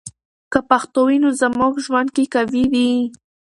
که پښتو وي، نو زموږ ژوند کې قوی وي.